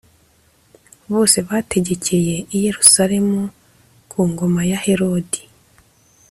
bose bategekeye i Yerusalemu ku Ngoma ya herodi